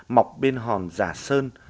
mọc bên hòn giả sơn